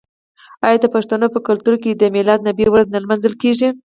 آیا د پښتنو په کلتور کې د میلاد النبي ورځ نه لمانځل کیږي؟